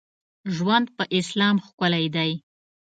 ژوند په اسلام ښکلی دی.